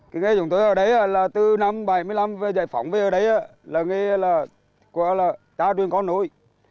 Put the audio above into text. cái nghề chúng tôi ở đấy là từ năm một nghìn chín trăm bảy mươi năm về giải phóng về ở đấy là nghề là trá truyền con nội